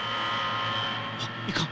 あっいかん！